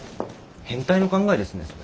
変態の考えですねそれ。